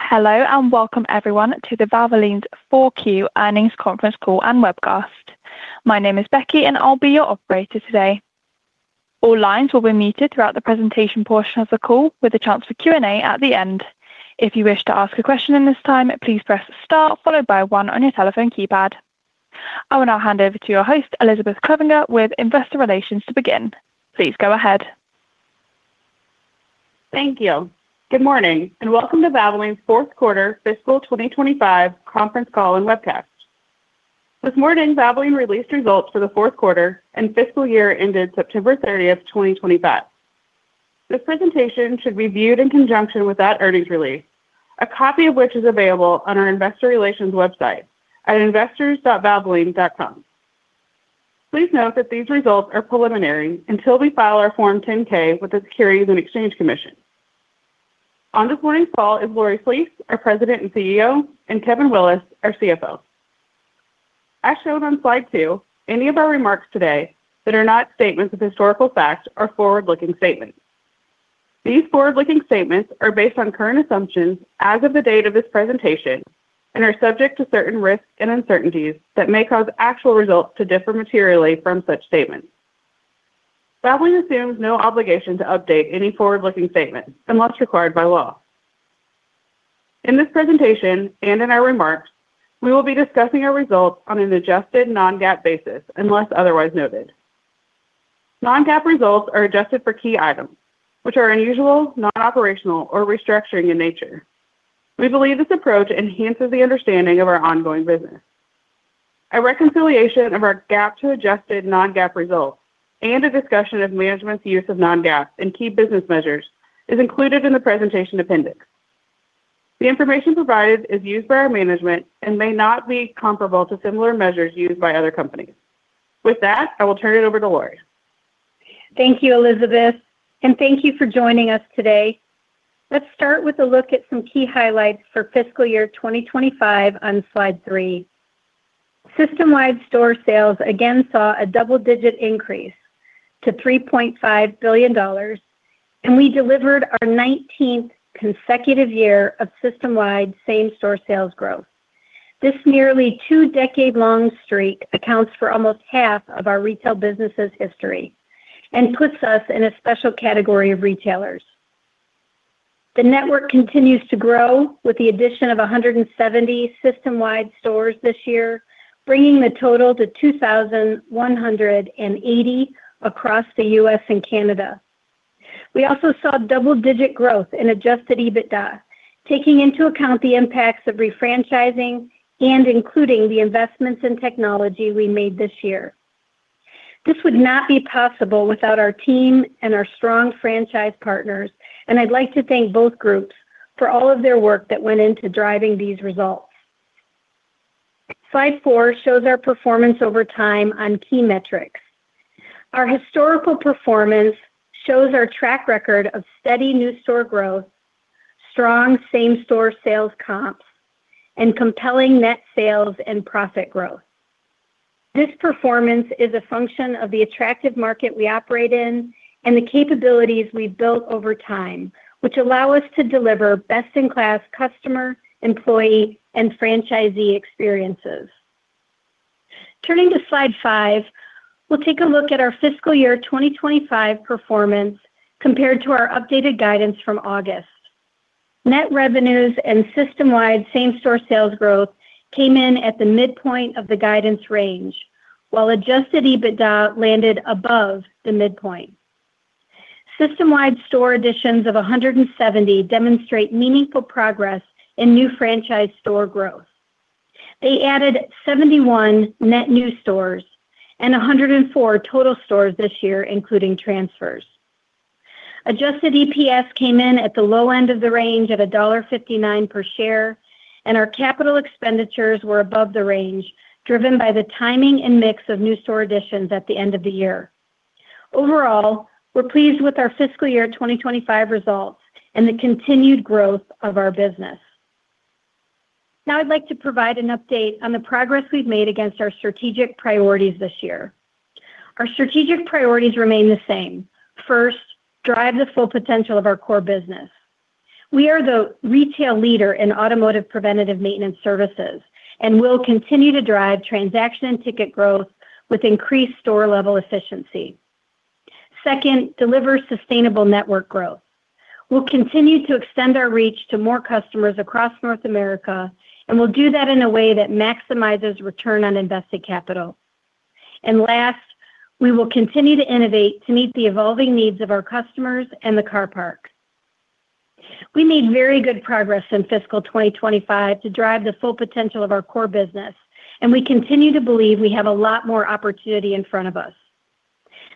Hello and welcome, everyone, to the Valvoline Lori Flees, 4Q Earnings Conference Call and Webcast. My name is Becky, and I'll be your operator today. All lines will be muted throughout the presentation portion of the call, with a chance for Q&A at the end. If you wish to ask a question at this time, please press Star, followed by 1 on your telephone keypad. I will now hand over to your host, Elizabeth Clevinger, with Investor Relations, to begin. Please go ahead. Thank you. Good morning, and welcome to Valvoline Lori Flees, 4th Quarter Fiscal 2025 Conference Call and Webcast. This morning, Valvoline released results for the 4th Quarter, and fiscal year ended September 30, 2025. This presentation should be viewed in conjunction with that earnings release, a copy of which is available on our Investor Relations website at investors.valvoline.com. Please note that these results are preliminary until we file our Form 10-K with the Securities and Exchange Commission. On this morning's call is Lori Flees, our President and CEO, and Kevin Willis, our CFO. As shown on Slide 2, any of our remarks today that are not statements of historical fact are forward-looking statements. These forward-looking statements are based on current assumptions as of the date of this presentation and are subject to certain risks and uncertainties that may cause actual results to differ materially from such statements. Valvoline assumes no obligation to update any forward-looking statement unless required by law. In this presentation and in our remarks, we will be discussing our results on an adjusted non-GAAP basis unless otherwise noted. Non-GAAP results are adjusted for key items, which are unusual, non-operational, or restructuring in nature. We believe this approach enhances the understanding of our ongoing business. A reconciliation of our GAAP to adjusted non-GAAP results and a discussion of management's use of non-GAAP and key business measures is included in the presentation appendix. The information provided is used by our management and may not be comparable to similar measures used by other companies. With that, I will turn it over to Lori. Thank you, Elizabeth, and thank you for joining us today. Let's start with a look at some key highlights for fiscal year 2025 on Slide 3. System-wide store sales again saw a double-digit increase to $3.5 billion, and we delivered our 19th consecutive year of system-wide same-store sales growth. This nearly two-decade-long streak accounts for almost half of our retail business's history and puts us in a special category of retailers. The network continues to grow with the addition of 170 system-wide stores this year, bringing the total to 2,180 across the U.S. and Canada. We also saw double-digit growth in adjusted EBITDA, taking into account the impacts of refranchising and including the investments in technology we made this year. This would not be possible without our team and our strong franchise partners, and I'd like to thank both groups for all of their work that went into driving these results. Slide 4 shows our performance over time on key metrics. Our historical performance shows our track record of steady new store growth, strong same-store sales comps, and compelling net sales and profit growth. This performance is a function of the attractive market we operate in and the capabilities we've built over time, which allow us to deliver best-in-class customer, employee, and franchisee experiences. Turning to Slide 5, we'll take a look at our fiscal year 2025 performance compared to our updated guidance from August. Net revenues and system-wide same-store sales growth came in at the midpoint of the guidance range, while adjusted EBITDA landed above the midpoint. System-wide store additions of 170 demonstrate meaningful progress in new franchise store growth. They added 71 net new stores and 104 total stores this year, including transfers. Adjusted EPS came in at the low end of the range at $1.59 per share, and our capital expenditures were above the range, driven by the timing and mix of new store additions at the end of the year. Overall, we're pleased with our fiscal year 2025 results and the continued growth of our business. Now, I'd like to provide an update on the progress we've made against our strategic priorities this year. Our strategic priorities remain the same. First, drive the full potential of our core business. We are the retail leader in automotive preventative maintenance services and will continue to drive transaction and ticket growth with increased store-level efficiency. Second, deliver sustainable network growth. We'll continue to extend our reach to more customers across North America, and we'll do that in a way that maximizes return on invested capital. Last, we will continue to innovate to meet the evolving needs of our customers and the car park. We made very good progress in fiscal 2025 to drive the full potential of our core business, and we continue to believe we have a lot more opportunity in front of us.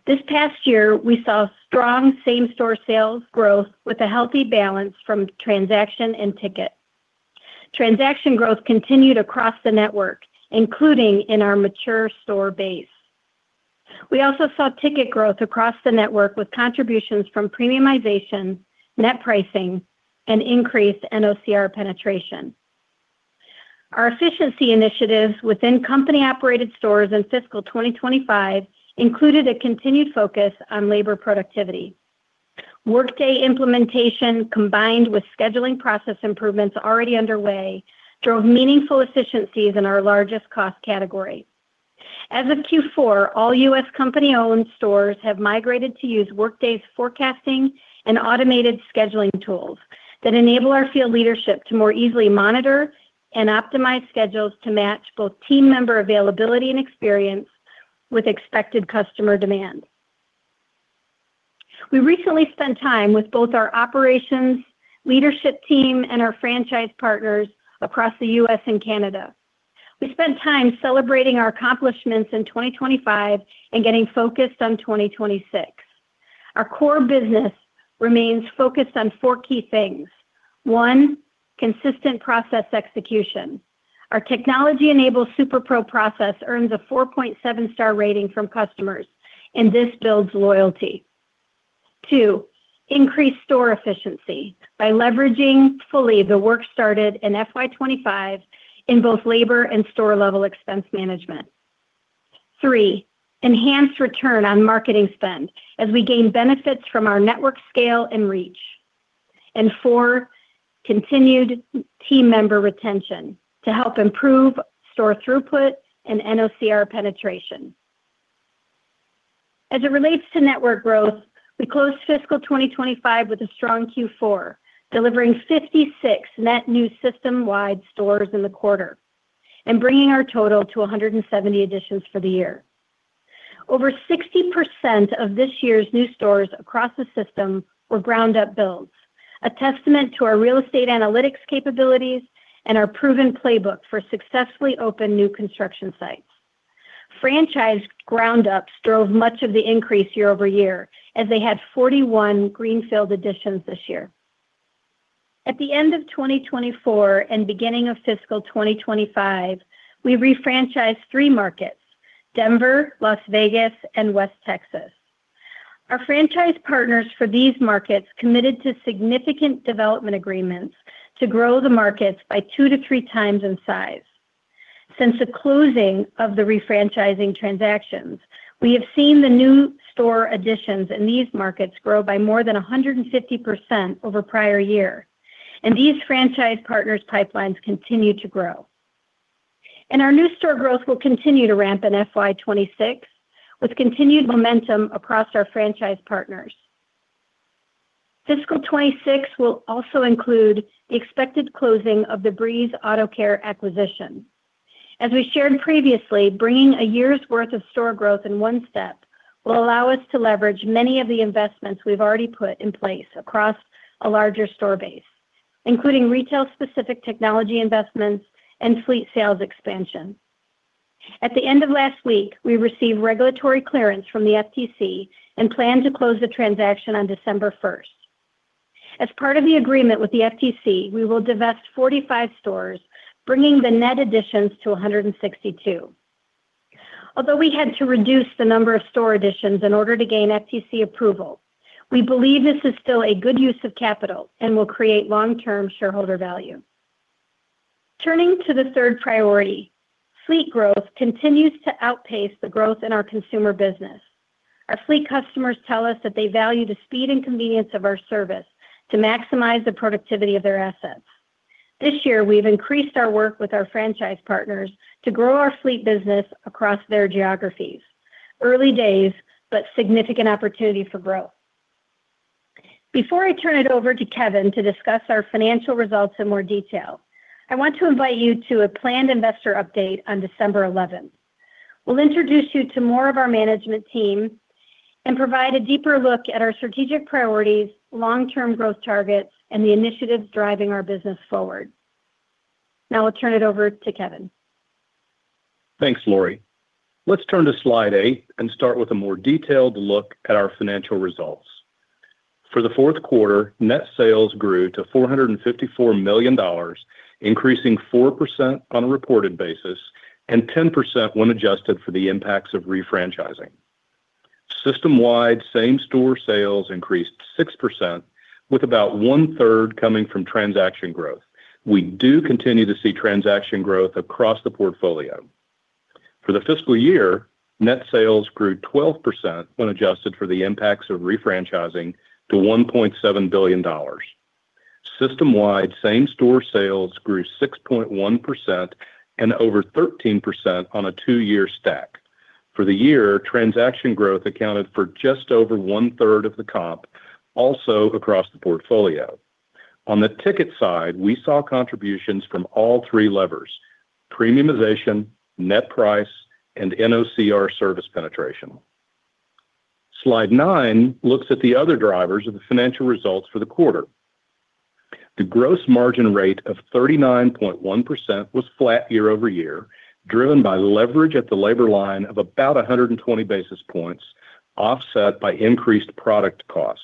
This past year, we saw strong same-store sales growth with a healthy balance from transaction and ticket. Transaction growth continued across the network, including in our mature store base. We also saw ticket growth across the network with contributions from premiumization, net pricing, and increased NOCR penetration. Our efficiency initiatives within company-operated stores in fiscal 2025 included a continued focus on labor productivity. Workday implementation, combined with scheduling process improvements already underway, drove meaningful efficiencies in our largest cost category. As of Q4, all U.S. company-owned stores have migrated to use Workday's forecasting and automated scheduling tools that enable our field leadership to more easily monitor and optimize schedules to match both team member availability and experience with expected customer demand. We recently spent time with both our operations leadership team and our franchise partners across the U.S. and Canada. We spent time celebrating our accomplishments in 2025 and getting focused on 2026. Our core business remains focused on four key things: one, consistent process execution. Our technology-enabled SuperPro process earns a 4.7-star rating from customers, and this builds loyalty. Two, increased store efficiency by leveraging fully the work started in FY25 in both labor and store-level expense management. Three, enhanced return on marketing spend as we gain benefits from our network scale and reach. Four, continued team member retention to help improve store throughput and NOCR penetration. As it relates to network growth, we closed fiscal 2025 with a strong Q4, delivering 56 net new system-wide stores in the quarter and bringing our total to 170 additions for the year. Over 60% of this year's new stores across the system were ground-up builds, a testament to our real estate analytics capabilities and our proven playbook for successfully opening new construction sites. Franchise ground-ups drove much of the increase year over year, as they had 41 greenfield additions this year. At the end of 2024 and beginning of fiscal 2025, we refranchised three markets: Denver, Las Vegas, and West Texas. Our franchise partners for these markets committed to significant development agreements to grow the markets by two to three times in size. Since the closing of the refranchising transactions, we have seen the new store additions in these markets grow by more than 150% over prior year, and these franchise partners' pipelines continue to grow. Our new store growth will continue to ramp in fiscal 2026 with continued momentum across our franchise partners. Fiscal 2026 will also include the expected closing of the Breeze AutoCare acquisition. As we shared previously, bringing a year's worth of store growth in one step will allow us to leverage many of the investments we have already put in place across a larger store base, including retail-specific technology investments and fleet sales expansion. At the end of last week, we received regulatory clearance from the FTC and plan to close the transaction on December 1. As part of the agreement with the FTC, we will divest 45 stores, bringing the net additions to 162. Although we had to reduce the number of store additions in order to gain FTC approval, we believe this is still a good use of capital and will create long-term shareholder value. Turning to the third priority, fleet growth continues to outpace the growth in our consumer business. Our fleet customers tell us that they value the speed and convenience of our service to maximize the productivity of their assets. This year, we've increased our work with our franchise partners to grow our fleet business across their geographies. Early days, but significant opportunity for growth. Before I turn it over to Kevin to discuss our financial results in more detail, I want to invite you to a planned investor update on December 11. We'll introduce you to more of our management team and provide a deeper look at our strategic priorities, long-term growth targets, and the initiatives driving our business forward. Now, I'll turn it over to Kevin. Thanks, Lori. Let's turn to Slide 8 and start with a more detailed look at our financial results. For the fourth quarter, net sales grew to $454 million, increasing 4% on a reported basis and 10% when adjusted for the impacts of refranchising. System-wide, same-store sales increased 6%, with about one-third coming from transaction growth. We do continue to see transaction growth across the portfolio. For the fiscal year, net sales grew 12% when adjusted for the impacts of refranchising to $1.7 billion. System-wide, same-store sales grew 6.1% and over 13% on a two-year stack. For the year, transaction growth accounted for just over one-third of the comp, also across the portfolio. On the ticket side, we saw contributions from all three levers: premiumization, net price, and NOCR service penetration. Slide 9 looks at the other drivers of the financial results for the quarter. The gross margin rate of 39.1% was flat year over year, driven by leverage at the labor line of about 120 basis points, offset by increased product costs.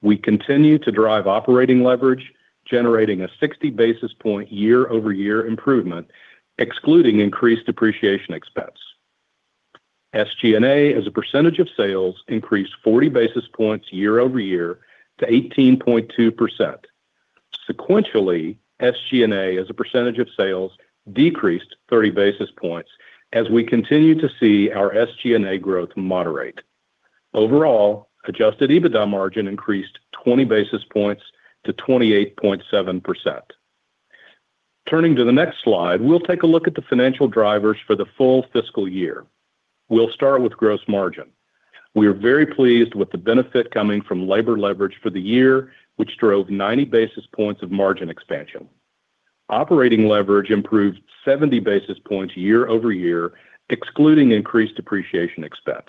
We continue to drive operating leverage, generating a 60-basis-point year-over-year improvement, excluding increased depreciation expense. SG&A as a percentage of sales increased 40 basis points year over year to 18.2%. Sequentially, SG&A as a percentage of sales decreased 30 basis points as we continue to see our SG&A growth moderate. Overall, adjusted EBITDA margin increased 20 basis points to 28.7%. Turning to the next slide, we'll take a look at the financial drivers for the full fiscal year. We'll start with gross margin. We are very pleased with the benefit coming from labor leverage for the year, which drove 90 basis points of margin expansion. Operating leverage improved 70 basis points year over year, excluding increased depreciation expense.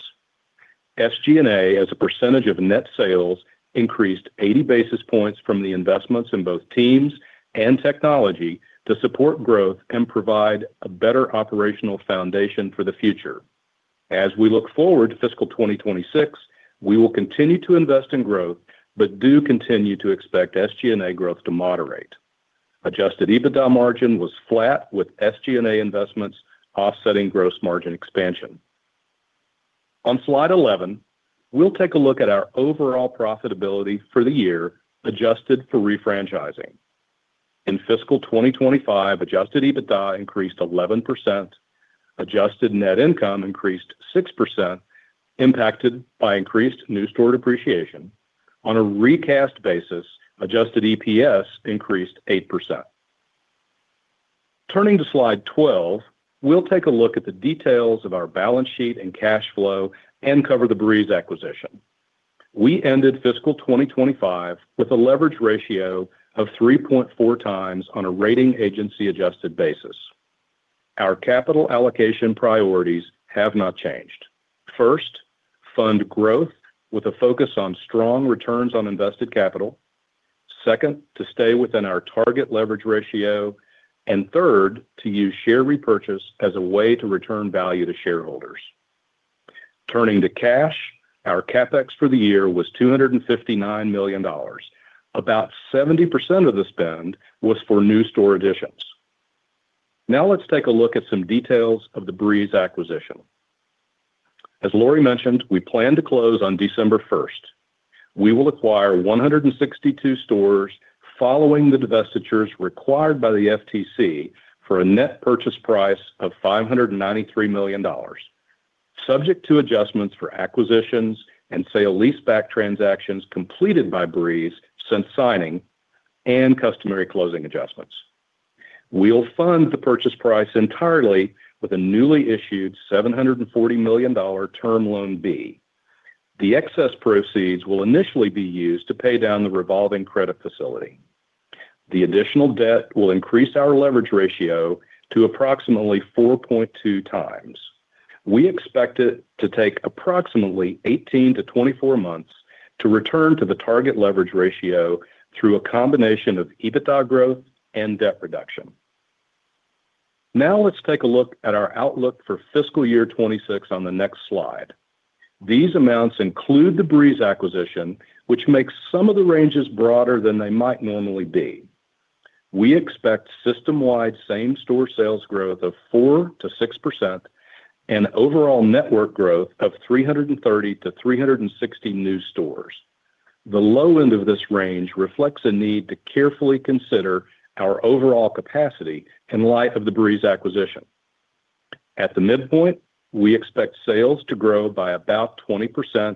SG&A as a percentage of net sales increased 80 basis points from the investments in both teams and technology to support growth and provide a better operational foundation for the future. As we look forward to fiscal 2026, we will continue to invest in growth, but do continue to expect SG&A growth to moderate. Adjusted EBITDA margin was flat, with SG&A investments offsetting gross margin expansion. On Slide 11, we'll take a look at our overall profitability for the year adjusted for refranchising. In fiscal 2025, adjusted EBITDA increased 11%. Adjusted net income increased 6%, impacted by increased new store depreciation. On a recast basis, adjusted EPS increased 8%. Turning to Slide 12, we'll take a look at the details of our balance sheet and cash flow and cover the Breeze acquisition. We ended fiscal 2025 with a leverage ratio of 3.4 times on a rating agency-adjusted basis. Our capital allocation priorities have not changed. First, fund growth with a focus on strong returns on invested capital. Second, to stay within our target leverage ratio. Third, to use share repurchase as a way to return value to shareholders. Turning to cash, our CapEx for the year was $259 million. About 70% of the spend was for new store additions. Now, let's take a look at some details of the Breeze acquisition. As Lori mentioned, we plan to close on December 1. We will acquire 162 stores following the divestitures required by the FTC for a net purchase price of $593 million, subject to adjustments for acquisitions and sale lease-back transactions completed by Breeze since signing and customary closing adjustments. We'll fund the purchase price entirely with a newly issued $740 million term loan B. The excess proceeds will initially be used to pay down the revolving credit facility. The additional debt will increase our leverage ratio to approximately 4.2 times. We expect it to take approximately 18 to 24 months to return to the target leverage ratio through a combination of EBITDA growth and debt reduction. Now, let's take a look at our outlook for fiscal year 2026 on the next slide. These amounts include the Breeze acquisition, which makes some of the ranges broader than they might normally be. We expect system-wide same-store sales growth of 4%-6% and overall network growth of 330-360 new stores. The low end of this range reflects a need to carefully consider our overall capacity in light of the Breeze acquisition. At the midpoint, we expect sales to grow by about 20%,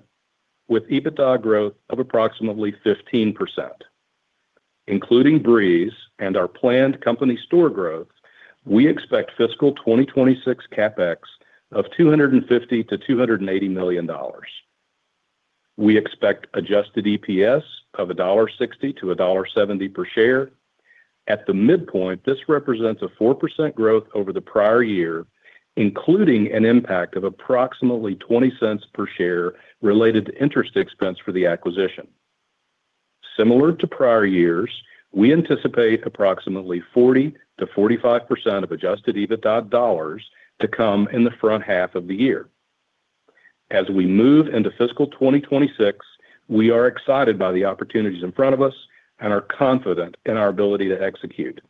with EBITDA growth of approximately 15%. Including Breeze and our planned company store growth, we expect fiscal 2026 CapEx of $250-$280 million. We expect adjusted EPS of $1.60-$1.70 per share. At the midpoint, this represents a 4% growth over the prior year, including an impact of approximately $0.20 per share related to interest expense for the acquisition. Similar to prior years, we anticipate approximately 40-45% of adjusted EBITDA dollars to come in the front half of the year. As we move into fiscal 2026, we are excited by the opportunities in front of us and are confident in our ability to execute.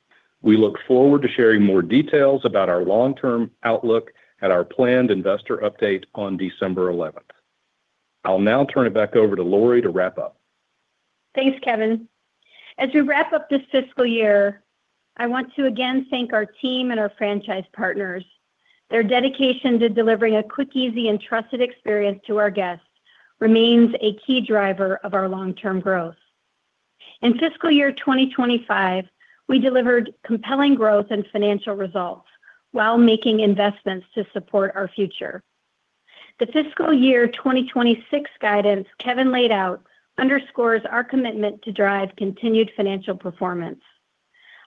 We look forward to sharing more details about our long-term outlook at our planned investor update on December 11. I'll now turn it back over to Lori to wrap up. Thanks, Kevin. As we wrap up this fiscal year, I want to again thank our team and our franchise partners. Their dedication to delivering a quick, easy, and trusted experience to our guests remains a key driver of our long-term growth. In fiscal year 2025, we delivered compelling growth and financial results while making investments to support our future. The fiscal year 2026 guidance Kevin laid out underscores our commitment to drive continued financial performance.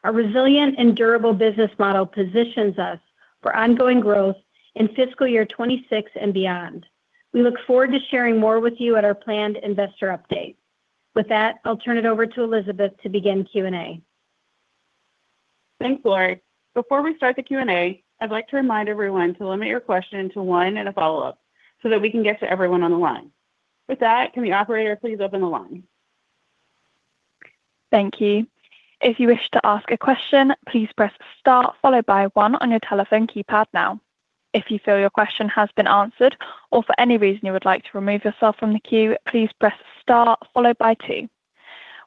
Our resilient and durable business model positions us for ongoing growth in fiscal year 2026 and beyond. We look forward to sharing more with you at our planned investor update. With that, I'll turn it over to Elizabeth to begin Q&A. Thanks, Lori. Before we start the Q&A, I'd like to remind everyone to limit your question to one and a follow-up so that we can get to everyone on the line. With that, can the operator please open the line? Thank you. If you wish to ask a question, please press Star followed by 1 on your telephone keypad now. If you feel your question has been answered or for any reason you would like to remove yourself from the queue, please press Star followed by 2.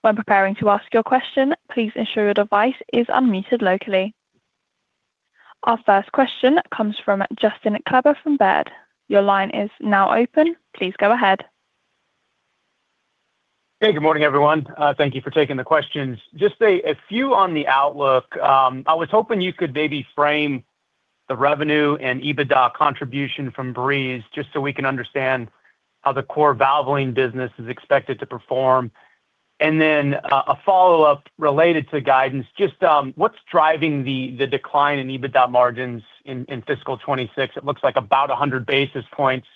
When preparing to ask your question, please ensure your device is unmuted locally. Our first question comes from Justin Kleber from Baird. Your line is now open. Please go ahead. Hey, good morning, everyone. Thank you for taking the questions. Just a few on the outlook. I was hoping you could maybe frame the revenue and EBITDA contribution from Breeze just so we can understand how the core Valvoline business is expected to perform. A follow-up related to guidance. Just what's driving the decline in EBITDA margins in fiscal 2026? It looks like about 100 basis points.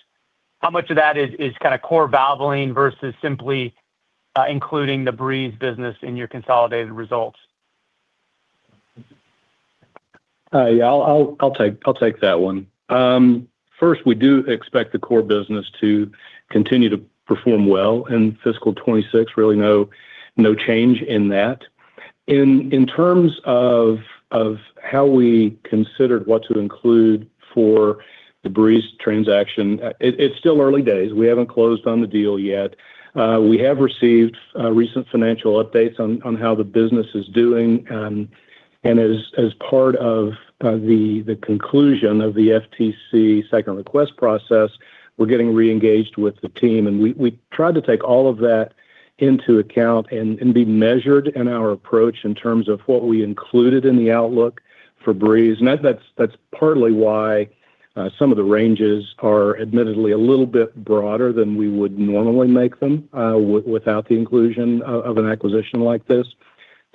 How much of that is kind of core Valvoline versus simply including the Breeze business in your consolidated results? Yeah, I'll take that one. First, we do expect the core business to continue to perform well in fiscal 2026. Really no change in that. In terms of how we considered what to include for the Breeze transaction, it's still early days. We haven't closed on the deal yet. We have received recent financial updates on how the business is doing. As part of the conclusion of the FTC second request process, we're getting re-engaged with the team. We tried to take all of that into account and be measured in our approach in terms of what we included in the outlook for Breeze. That's partly why some of the ranges are admittedly a little bit broader than we would normally make them without the inclusion of an acquisition like this.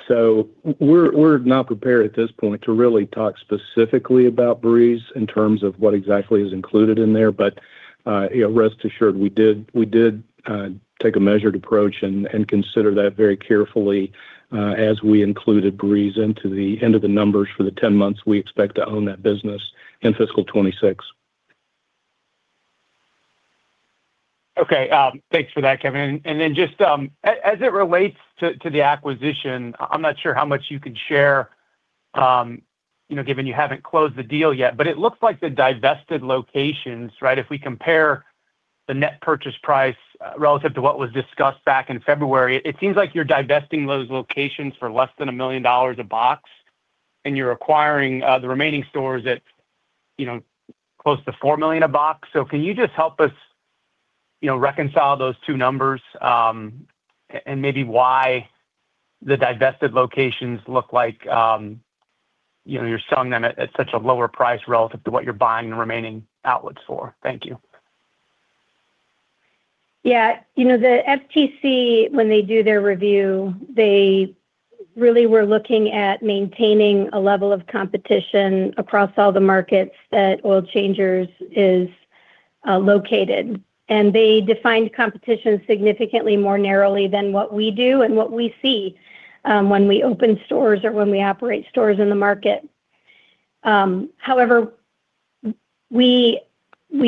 We're not prepared at this point to really talk specifically about Breeze in terms of what exactly is included in there. Rest assured, we did take a measured approach and consider that very carefully as we included Breeze into the end of the numbers for the 10 months we expect to own that business in fiscal 2026. Okay. Thanks for that, Kevin. As it relates to the acquisition, I'm not sure how much you can share given you haven't closed the deal yet. It looks like the divested locations, right? If we compare the net purchase price relative to what was discussed back in February, it seems like you're divesting those locations for less than $1 million a box. You're acquiring the remaining stores at close to $4 million a box. Can you just help us reconcile those two numbers and maybe why the divested locations look like you're selling them at such a lower price relative to what you're buying the remaining outlets for? Thank you. Yeah. The FTC, when they do their review, they really were looking at maintaining a level of competition across all the markets that Oil Changers is located. They defined competition significantly more narrowly than what we do and what we see when we open stores or when we operate stores in the market. However, we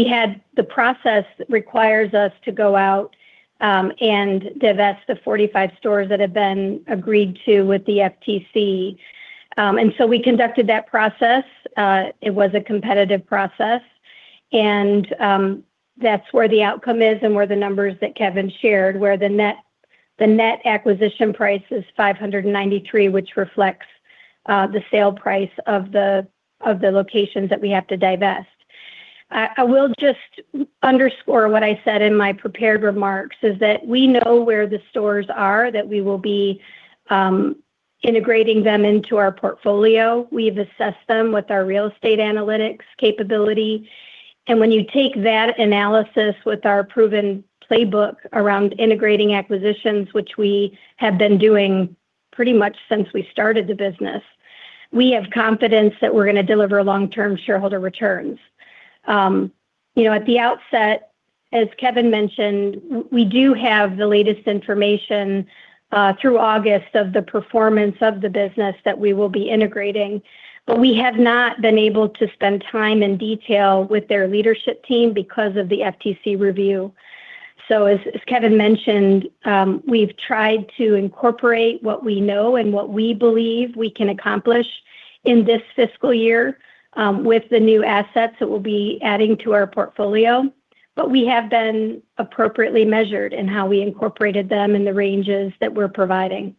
had the process that requires us to go out and divest the 45 stores that have been agreed to with the FTC. We conducted that process. It was a competitive process. That is where the outcome is and where the numbers that Kevin shared, where the net acquisition price is $593 million, which reflects the sale price of the locations that we have to divest. I will just underscore what I said in my prepared remarks is that we know where the stores are, that we will be integrating them into our portfolio. We've assessed them with our real estate analytics capability. When you take that analysis with our proven playbook around integrating acquisitions, which we have been doing pretty much since we started the business, we have confidence that we're going to deliver long-term shareholder returns. At the outset, as Kevin mentioned, we do have the latest information through August of the performance of the business that we will be integrating. We have not been able to spend time in detail with their leadership team because of the FTC review. As Kevin mentioned, we've tried to incorporate what we know and what we believe we can accomplish in this fiscal year with the new assets that we'll be adding to our portfolio. We have been appropriately measured in how we incorporated them in the ranges that we're providing.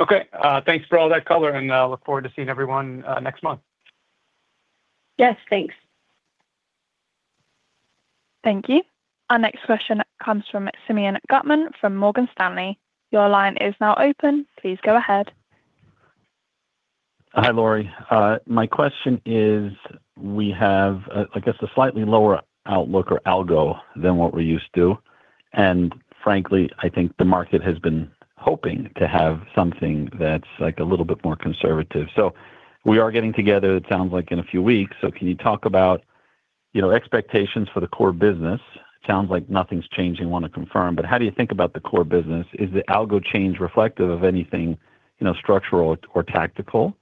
Okay. Thanks for all that color. I look forward to seeing everyone next month. Yes, thanks. Thank you. Our next question comes from Simeon Gutman from Morgan Stanley. Your line is now open. Please go ahead. Hi, Lori. My question is we have, I guess, a slightly lower outlook or algo than what we're used to. And frankly, I think the market has been hoping to have something that's a little bit more conservative. We are getting together, it sounds like, in a few weeks. Can you talk about expectations for the core business? It sounds like nothing's changing. I want to confirm. How do you think about the core business? Is the algo change reflective of anything structural or tactical?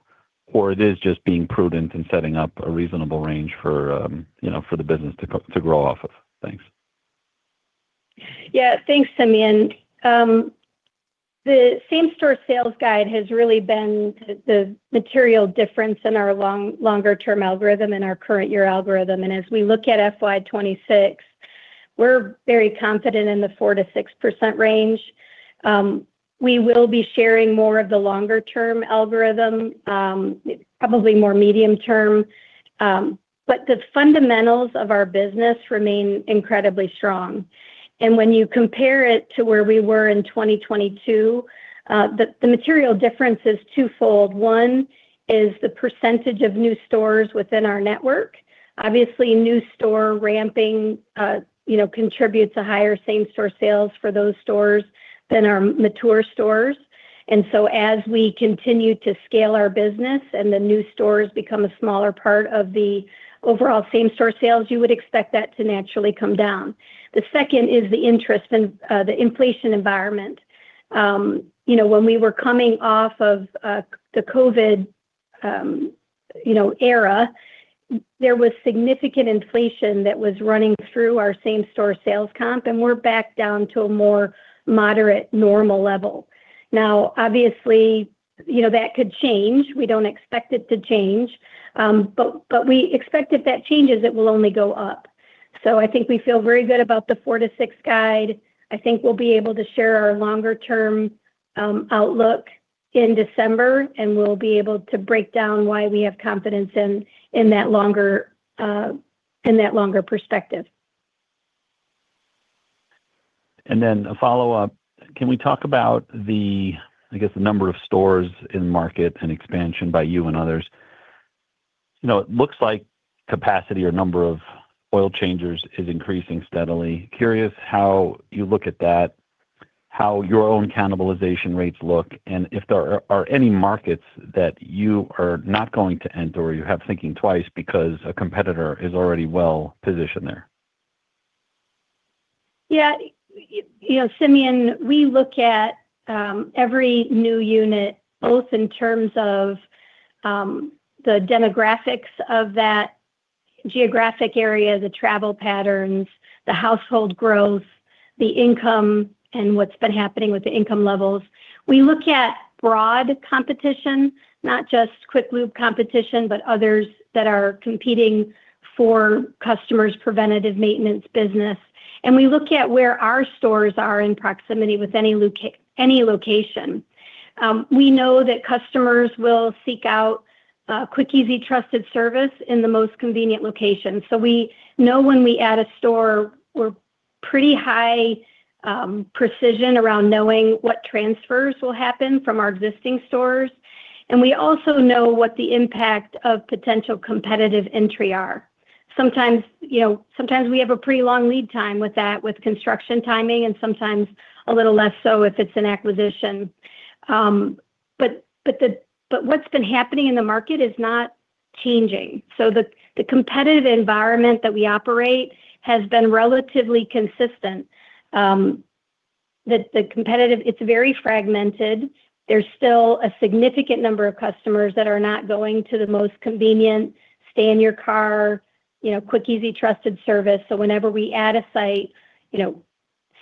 Or is it just being prudent in setting up a reasonable range for the business to grow off of? Thanks. Yeah. Thanks, Simeon. The same-store sales guide has really been the material difference in our longer-term algorithm and our current year algorithm. As we look at FY2026, we're very confident in the 4%-6% range. We will be sharing more of the longer-term algorithm, probably more medium-term. The fundamentals of our business remain incredibly strong. When you compare it to where we were in 2022, the material difference is twofold. One is the percentage of new stores within our network. Obviously, new store ramping contributes to higher same-store sales for those stores than our mature stores. As we continue to scale our business and the new stores become a smaller part of the overall same-store sales, you would expect that to naturally come down. The second is the interest in the inflation environment. When we were coming off of the COVID era, there was significant inflation that was running through our same-store sales comp, and we're back down to a more moderate normal level. Now, obviously, that could change. We don't expect it to change. If that changes, it will only go up. I think we feel very good about the 4%-6% guide. I think we'll be able to share our longer-term outlook in December, and we'll be able to break down why we have confidence in that longer perspective. Can we talk about, I guess, the number of stores in the market and expansion by you and others? It looks like capacity or number of oil changers is increasing steadily. Curious how you look at that, how your own cannibalization rates look, and if there are any markets that you are not going to enter or you have thinking twice because a competitor is already well positioned there. Yeah. Simeon, we look at every new unit, both in terms of the demographics of that geographic area, the travel patterns, the household growth, the income, and what's been happening with the income levels. We look at broad competition, not just quick lube competition, but others that are competing for customers' preventative maintenance business. We look at where our stores are in proximity with any location. We know that customers will seek out quick, easy, trusted service in the most convenient location. We know when we add a store, we are pretty high precision around knowing what transfers will happen from our existing stores. We also know what the impact of potential competitive entry are. Sometimes we have a pretty long lead time with that, with construction timing, and sometimes a little less so if it is an acquisition. What has been happening in the market is not changing. The competitive environment that we operate has been relatively consistent. It is very fragmented. There is still a significant number of customers that are not going to the most convenient, stay-in-your-car quick, easy, trusted service. Whenever we add a site,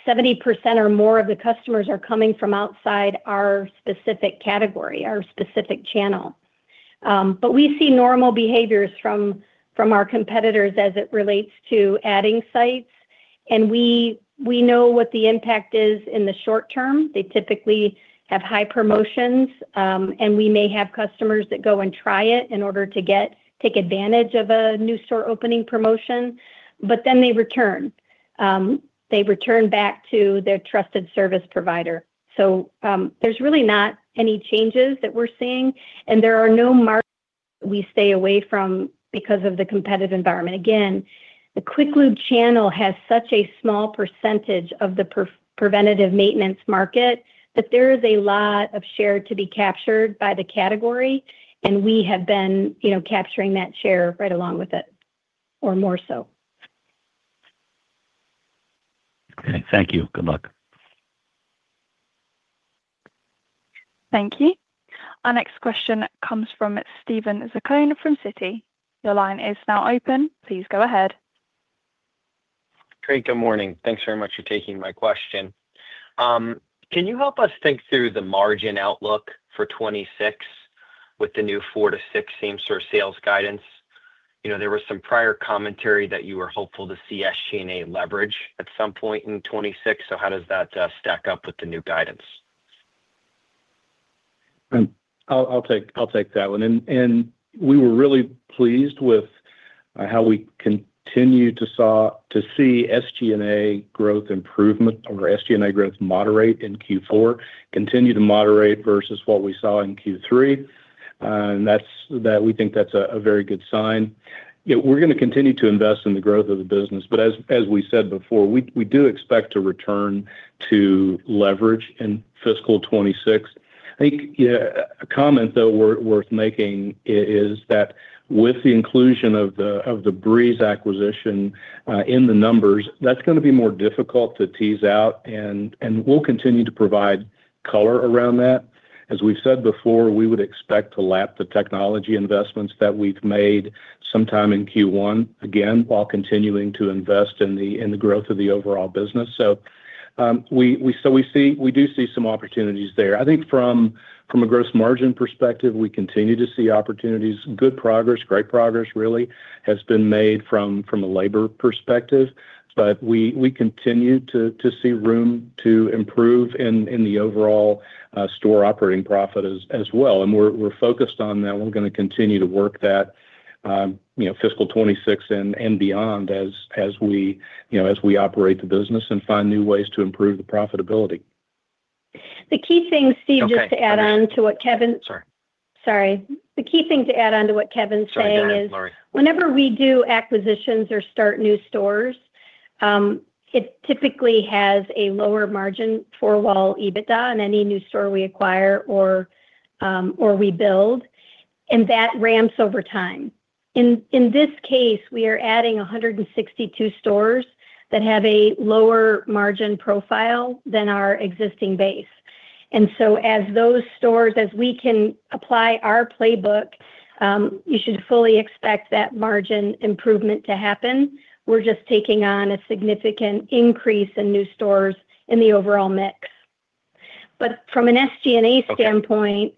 70% or more of the customers are coming from outside our specific category, our specific channel. We see normal behaviors from our competitors as it relates to adding sites. We know what the impact is in the short term. They typically have high promotions, and we may have customers that go and try it in order to take advantage of a new store opening promotion. They return. They return back to their trusted service provider. There are really not any changes that we are seeing. There are no markets that we stay away from because of the competitive environment. Again, the quick lube channel has such a small percentage of the preventative maintenance market that there is a lot of share to be captured by the category. We have been capturing that share right along with it, or more so. Okay. Thank you. Good luck. Thank you. Our next question comes from Steven Zaccone from Citi. Your line is now open. Please go ahead. Great. Good morning. Thanks very much for taking my question. Can you help us think through the margin outlook for 2026 with the new 4%-6% same-store sales guidance? There was some prior commentary that you were hopeful to see SG&A leverage at some point in 2026. How does that stack up with the new guidance? I'll take that one. We were really pleased with how we continue to see SG&A growth improvement or SG&A growth moderate in Q4, continue to moderate versus what we saw in Q3. We think that's a very good sign. We are going to continue to invest in the growth of the business. As we said before, we do expect to return to leverage in fiscal 2026. I think a comment that is worth making is that with the inclusion of the Breeze acquisition in the numbers, that is going to be more difficult to tease out. We will continue to provide color around that. As we have said before, we would expect to lap the technology investments that we have made sometime in Q1, again, while continuing to invest in the growth of the overall business. We do see some opportunities there. I think from a gross margin perspective, we continue to see opportunities. Good progress, great progress, really, has been made from a labor perspective. We continue to see room to improve in the overall store operating profit as well. We are focused on that. We are going to continue to work that fiscal 2026 and beyond as we operate the business and find new ways to improve the profitability. The key thing, Steve, just to add on to what Kevin—sorry. The key thing to add on to what Kevin's saying is whenever we do acquisitions or start new stores, it typically has a lower margin for a while. EBITDA in any new store we acquire or rebuild, and that ramps over time. In this case, we are adding 162 stores that have a lower margin profile than our existing base. As those stores, as we can apply our playbook, you should fully expect that margin improvement to happen. We are just taking on a significant increase in new stores in the overall mix. From an SG&A standpoint,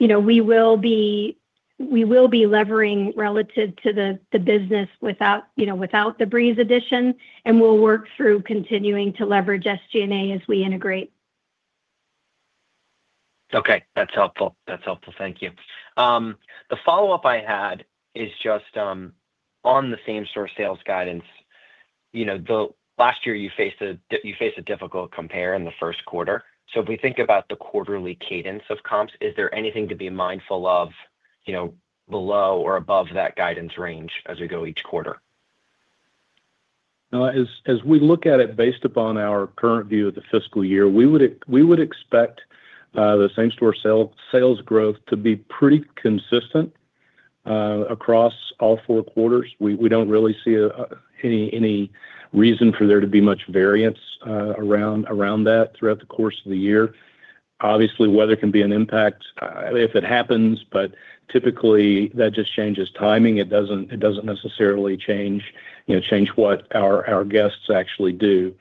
we will be levering relative to the business without the Breeze addition. We will work through continuing to leverage SG&A as we integrate. Okay. That's helpful. That's helpful. Thank you. The follow-up I had is just on the same-store sales guidance. Last year, you faced a difficult compare in the first quarter. If we think about the quarterly cadence of comps, is there anything to be mindful of below or above that guidance range as we go each quarter? As we look at it based upon our current view of the fiscal year, we would expect the same-store sales growth to be pretty consistent across all four quarters. We do not really see any reason for there to be much variance around that throughout the course of the year. Obviously, weather can be an impact if it happens, but typically, that just changes timing. It does not necessarily change what our guests actually do.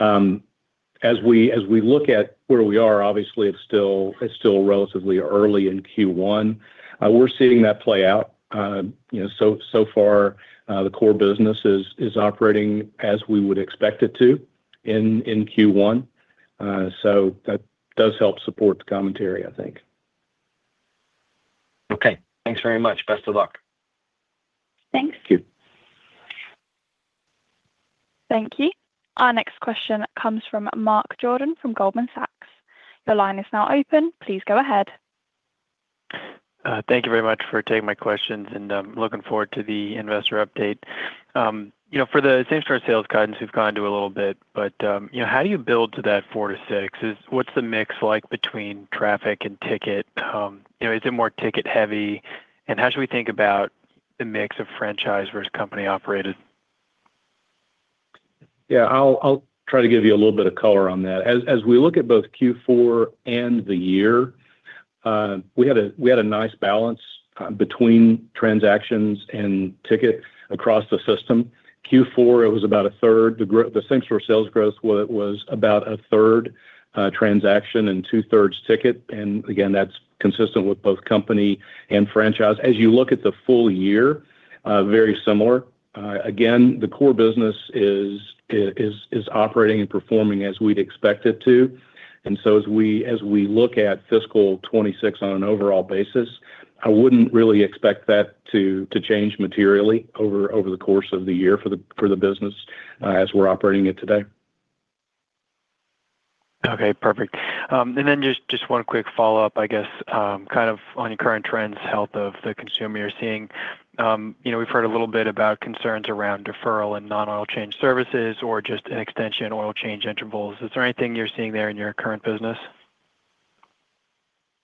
As we look at where we are, obviously, it is still relatively early in Q1. We are seeing that play out. So far, the core business is operating as we would expect it to in Q1. That does help support the commentary, I think. Okay. Thanks very much. Best of luck. Thanks. Thank you. Thank you. Our next question comes from Mark Jordan from Goldman Sachs. Your line is now open. Please go ahead. Thank you very much for taking my questions. I'm looking forward to the investor update. For the same-store sales guidance, we've gone into a little bit. How do you build to that 4%-6%? What's the mix like between traffic and ticket? Is it more ticket-heavy? How should we think about the mix of franchise versus company-operated? Yeah. I'll try to give you a little bit of color on that. As we look at both Q4 and the year, we had a nice balance between transactions and ticket across the system. Q4, it was about a third. The same-store sales growth was about a third transaction and two-thirds ticket. Again, that's consistent with both company and franchise. As you look at the full year, very similar. Again, the core business is operating and performing as we'd expect it to. As we look at fiscal 2026 on an overall basis, I wouldn't really expect that to change materially over the course of the year for the business as we're operating it today. Okay. Perfect. Just one quick follow-up, I guess, kind of on your current trends, health of the consumer you're seeing. We've heard a little bit about concerns around deferral and non-oil change services or just an extension oil change intervals. Is there anything you're seeing there in your current business?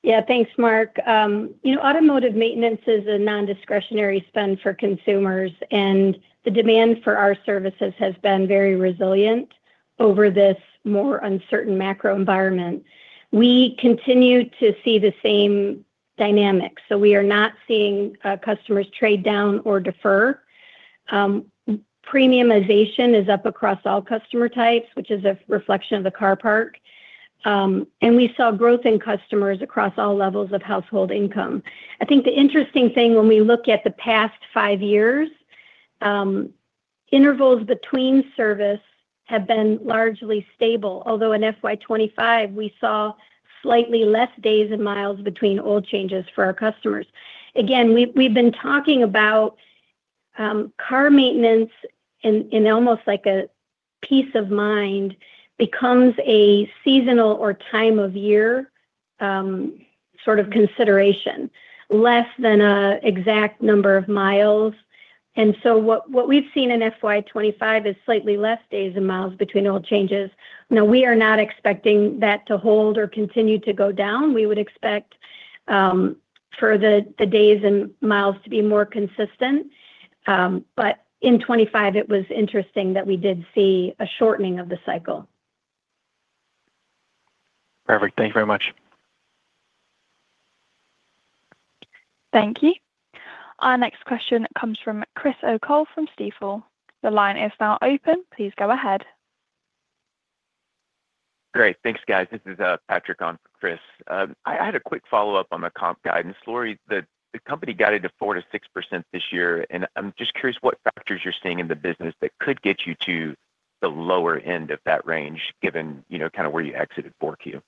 Yeah. Thanks, Mark. Automotive maintenance is a non-discretionary spend for consumers. The demand for our services has been very resilient over this more uncertain macro environment. We continue to see the same dynamic. We are not seeing customers trade down or defer. Premiumization is up across all customer types, which is a reflection of the car park. We saw growth in customers across all levels of household income. I think the interesting thing when we look at the past five years, intervals between service have been largely stable. Although in 2025, we saw slightly less days and miles between oil changes for our customers. Again, we've been talking about car maintenance in almost like a peace of mind becomes a seasonal or time-of-year sort of consideration, less than an exact number of miles. What we have seen in FY2025 is slightly fewer days and miles between oil changes. We are not expecting that to hold or continue to go down. We would expect for the days and miles to be more consistent. In 2025, it was interesting that we did see a shortening of the cycle. Perfect. Thank you very much. Thank you. Our next question comes from Chris O'Cull from Stifel. The line is now open. Please go ahead. Great. Thanks, guys. This is Patrick on for Chris. I had a quick follow-up on the comp guidance. Lori, the company guided to 4%-6% this year. I'm just curious what factors you're seeing in the business that could get you to the lower end of that range given kind of where you exited for Q.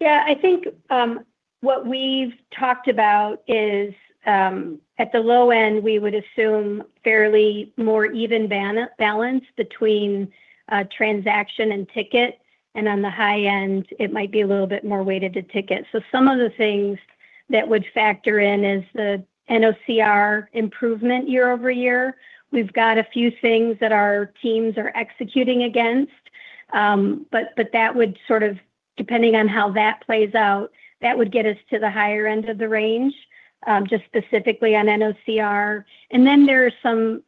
Yeah. I think what we've talked about is at the low end, we would assume fairly more even balance between transaction and ticket. At the high end, it might be a little bit more weighted to ticket. Some of the things that would factor in is the NOCR improvement year over year. We've got a few things that our teams are executing against. That would sort of, depending on how that plays out, get us to the higher end of the range, just specifically on NOCR. There are some,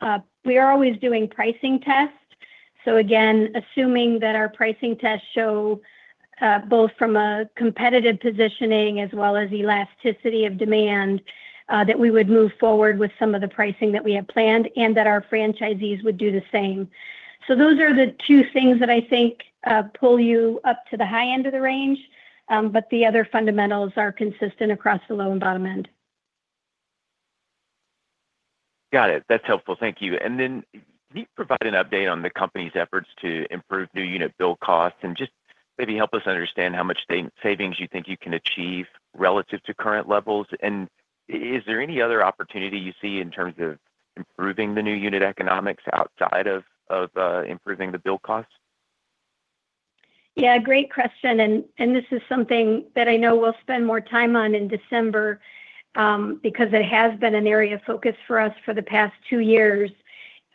we are always doing pricing tests. Again, assuming that our pricing tests show both from a competitive positioning as well as elasticity of demand, that we would move forward with some of the pricing that we have planned and that our franchisees would do the same. Those are the two things that I think pull you up to the high end of the range. The other fundamentals are consistent across the low and bottom end. Got it. That's helpful. Thank you. Can you provide an update on the company's efforts to improve new unit build costs and just maybe help us understand how much savings you think you can achieve relative to current levels? Is there any other opportunity you see in terms of improving the new unit economics outside of improving the build costs? Yeah. Great question. This is something that I know we'll spend more time on in December because it has been an area of focus for us for the past two years.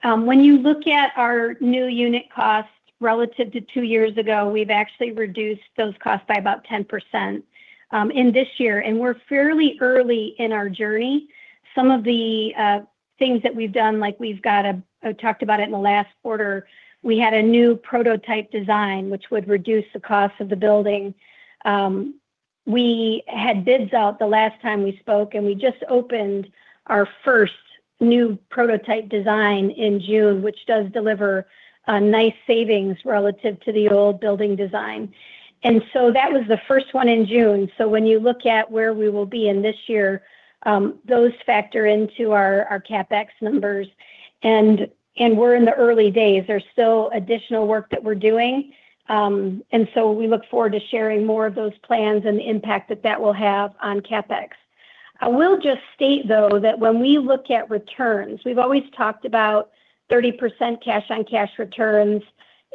When you look at our new unit costs relative to two years ago, we've actually reduced those costs by about 10% in this year. We're fairly early in our journey. Some of the things that we've done, like we've talked about it in the last quarter, we had a new prototype design, which would reduce the cost of the building. We had bids out the last time we spoke, and we just opened our first new prototype design in June, which does deliver nice savings relative to the old building design. That was the first one in June. When you look at where we will be in this year, those factor into our CapEx numbers. We're in the early days. There's still additional work that we're doing. We look forward to sharing more of those plans and the impact that that will have on CapEx. I will just state, though, that when we look at returns, we've always talked about 30% cash-on-cash returns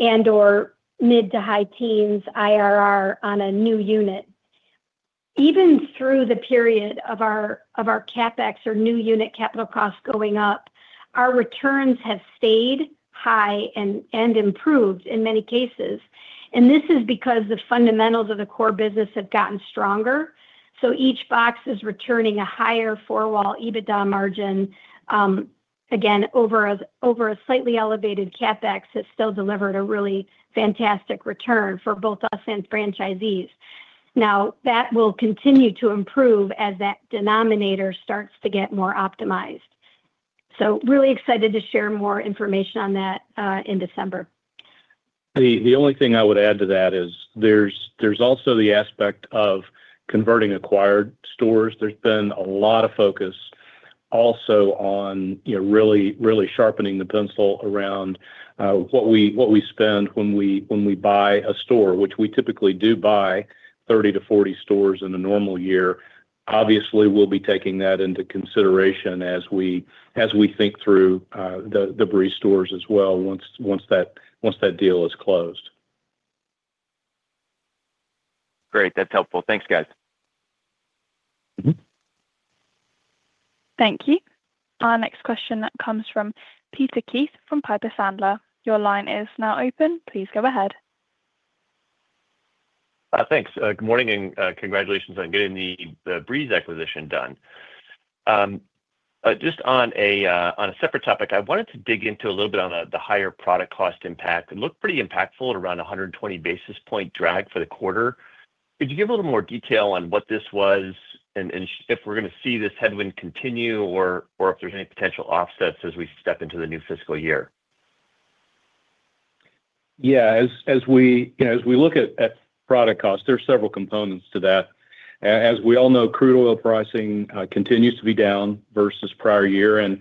and/or mid to high teens IRR on a new unit. Even through the period of our CapEx or new unit capital costs going up, our returns have stayed high and improved in many cases. This is because the fundamentals of the core business have gotten stronger. Each box is returning a higher four-wall EBITDA margin. Again, over a slightly elevated CapEx, it's still delivered a really fantastic return for both us and franchisees. That will continue to improve as that denominator starts to get more optimized. Really excited to share more information on that in December. The only thing I would add to that is there's also the aspect of converting acquired stores. There's been a lot of focus also on really sharpening the pencil around what we spend when we buy a store, which we typically do buy 30 to 40 stores in a normal year. Obviously, we'll be taking that into consideration as we think through the Breeze stores as well once that deal is closed. Great. That's helpful. Thanks, guys. Thank you. Our next question comes from Peter Keith from Piper Sandler. Your line is now open. Please go ahead. Thanks. Good morning and congratulations on getting the Breeze acquisition done. Just on a separate topic, I wanted to dig into a little bit on the higher product cost impact. It looked pretty impactful at around a 120 basis point drag for the quarter. Could you give a little more detail on what this was and if we're going to see this headwind continue or if there's any potential offsets as we step into the new fiscal year? Yeah. As we look at product costs, there are several components to that. As we all know, crude oil pricing continues to be down versus prior year.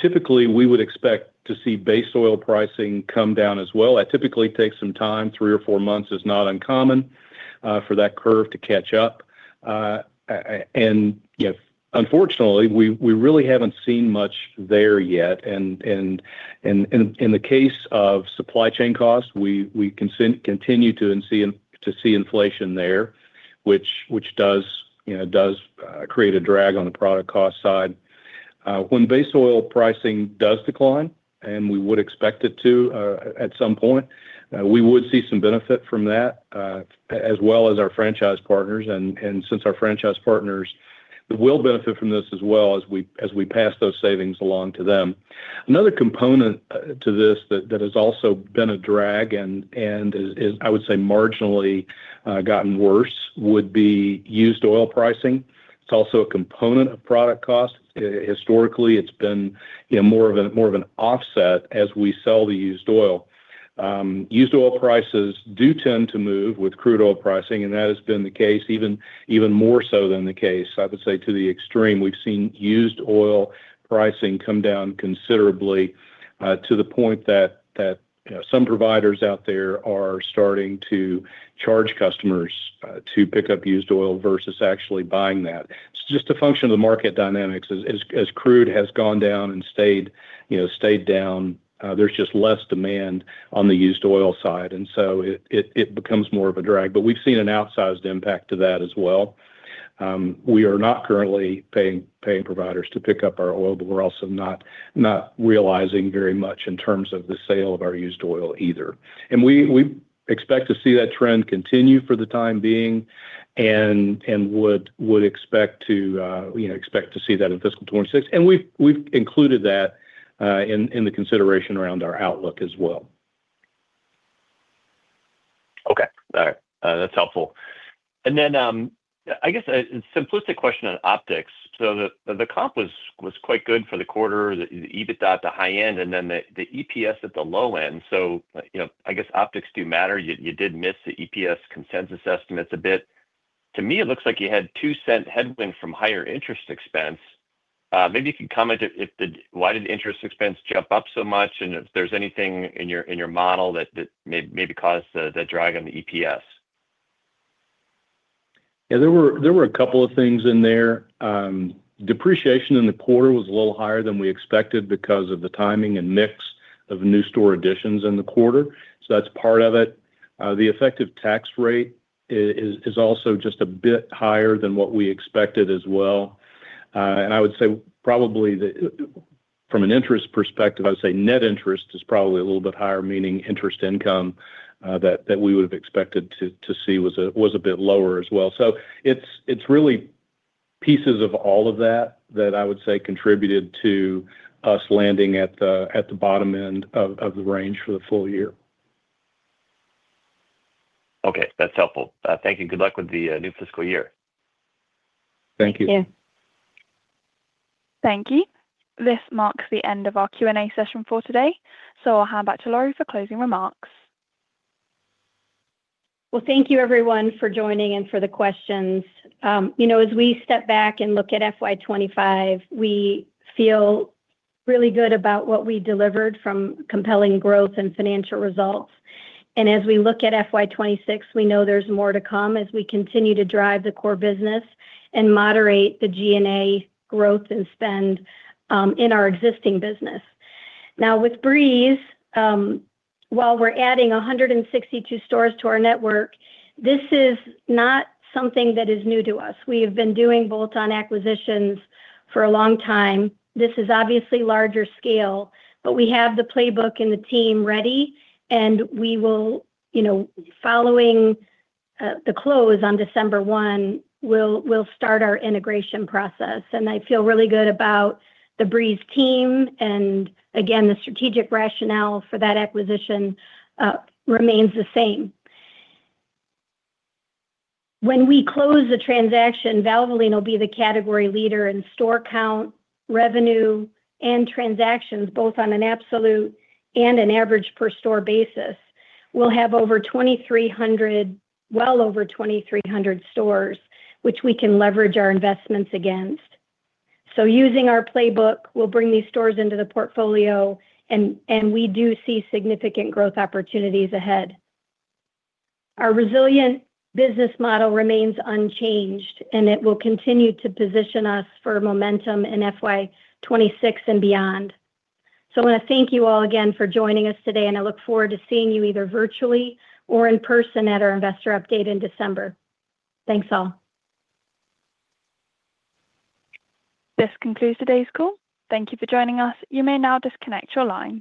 Typically, we would expect to see base oil pricing come down as well. That typically takes some time. Three or four months is not uncommon for that curve to catch up. Unfortunately, we really have not seen much there yet. In the case of supply chain costs, we continue to see inflation there, which does create a drag on the product cost side. When base oil pricing does decline, and we would expect it to at some point, we would see some benefit from that as well as our franchise partners. Since our franchise partners will benefit from this as well as we pass those savings along to them. Another component to this that has also been a drag and is, I would say, marginally gotten worse would be used oil pricing. It's also a component of product cost. Historically, it's been more of an offset as we sell the used oil. Used oil prices do tend to move with crude oil pricing, and that has been the case even more so than the case. I would say to the extreme, we've seen used oil pricing come down considerably to the point that some providers out there are starting to charge customers to pick up used oil versus actually buying that. It's just a function of the market dynamics. As crude has gone down and stayed down, there's just less demand on the used oil side. It becomes more of a drag. We've seen an outsized impact to that as well. We are not currently paying providers to pick up our oil, but we're also not realizing very much in terms of the sale of our used oil either. We expect to see that trend continue for the time being and would expect to see that in fiscal 2026. We have included that in the consideration around our outlook as well. Okay. All right. That's helpful. I guess a simplistic question on optics. The comp was quite good for the quarter, the EBITDA at the high end, and the EPS at the low end. I guess optics do matter. You did miss the EPS consensus estimates a bit. To me, it looks like you had a two-cent headwind from higher interest expense. Maybe you can comment why did interest expense jump up so much and if there's anything in your model that maybe caused the drag on the EPS. Yeah. There were a couple of things in there. Depreciation in the quarter was a little higher than we expected because of the timing and mix of new store additions in the quarter. That is part of it. The effective tax rate is also just a bit higher than what we expected as well. I would say probably from an interest perspective, I'd say net interest is probably a little bit higher, meaning interest income that we would have expected to see was a bit lower as well. It is really pieces of all of that that I would say contributed to us landing at the bottom end of the range for the full year. Okay. That's helpful. Thank you. Good luck with the new fiscal year. Thank you. Thank you. Thank you. This marks the end of our Q&A session for today. I will hand back to Lori for closing remarks. Thank you, everyone, for joining and for the questions. As we step back and look at FY25, we feel really good about what we delivered from compelling growth and financial results. As we look at FY26, we know there is more to come as we continue to drive the core business and moderate the G&A growth and spend in our existing business. Now, with Breeze, while we are adding 162 stores to our network, this is not something that is new to us. We have been doing bolt-on acquisitions for a long time. This is obviously larger scale, but we have the playbook and the team ready. Following the close on December 1, we will start our integration process. I feel really good about the Breeze team. Again, the strategic rationale for that acquisition remains the same. When we close the transaction, Valvoline will be the category leader in store count, revenue, and transactions, both on an absolute and an average per store basis. We will have over 2,300, well over 2,300 stores, which we can leverage our investments against. Using our playbook, we will bring these stores into the portfolio, and we do see significant growth opportunities ahead. Our resilient business model remains unchanged, and it will continue to position us for momentum in FY2026 and beyond. I want to thank you all again for joining us today, and I look forward to seeing you either virtually or in person at our investor update in December. Thanks all. This concludes today's call. Thank you for joining us. You may now disconnect your line.